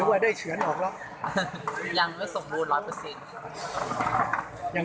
อย่างเหมือนเดิมใช่มั้ย